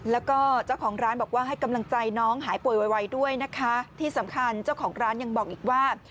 แล้วก็เจ้าของร้านบอกว่าให้กำลังใจน้องหายป่วยไวด้วยนะคะที่สำคัญเจ้าของร้านยังบอกอีกว่า